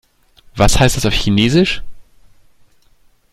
Was heißt das auf Chinesisch?